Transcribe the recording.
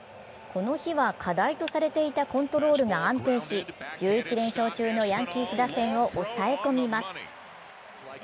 この日は課題とされていたコントロールが安定し１１連勝中のヤンキース打線を抑え込みます。